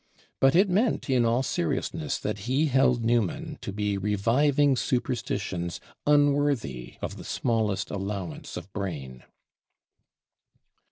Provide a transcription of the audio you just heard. But it meant in all seriousness that he held Newman to be reviving superstitions unworthy of the smallest allowance of brain.